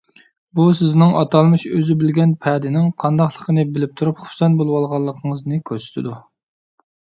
بۇ سىزنىڭ ئاتالمىش ئۆزى بىلگەن پەدىنىڭ قانداقلىقىنى بىلىپ تۇرۇپ خۇپسەن بولۇۋالغانلىقىڭىزنى كۆرسىتىدۇ.